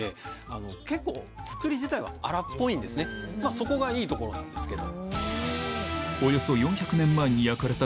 そこがいいところなんですけど。